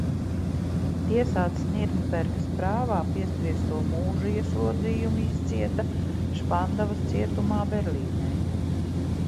Tiesāts Nirnbergas prāvā, piespriesto mūža ieslodzījumu izcieta Špandavas cietumā Berlīnē.